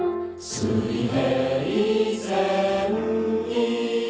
水平線に